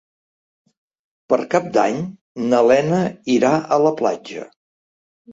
Per Cap d'Any na Lena irà a la platja.